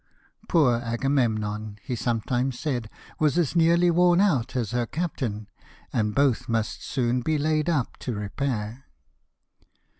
" Poor Agaviemnon" he sometimes said, " was as nearly worn out as her captain, and both must soon be laid up to repair."